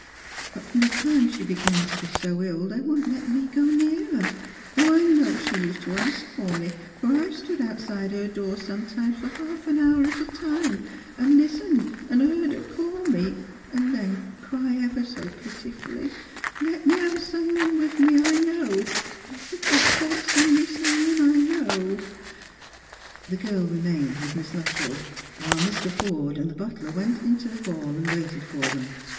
But from the time she began to be so ill they wouldn't let me go near her, though I know she used to ask for me, for I've stood outside her door sometimes for half an hour at a time and listened and heard her call me, and then cry so pitifully, ' Let me have some one with me that I know — for God's sake send me some one I know !'" The girl remained with Miss Luttrell, while Mr. Forde and the butler went out into the hall and waited for them.